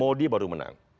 modi baru menang